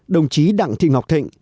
đồng chí đặng thị ngọc thịnh